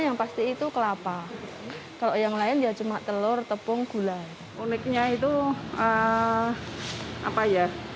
yang pasti itu kelapa kalau yang lain ya cuma telur tepung gulai uniknya itu apa ya